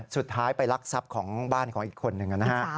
สุดท้ายไปรักทรัพย์ของบ้านของอีกคนหนึ่งนะฮะ